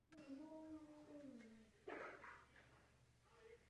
Turnajem navázali dlouhodobější partnerství.